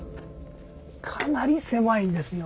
かなり狭いんですよ。